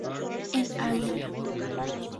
El Águila.